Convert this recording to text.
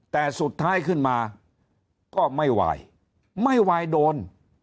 แต่สุดท้ายขึ้นมาก็ไม่ไหวไม่ไหวโดน